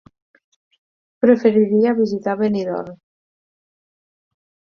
Preferiria visitar Benidorm.